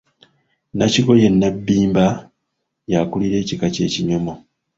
Nakigoye Nabimba y'akulira ekika ky'Ekinyomo.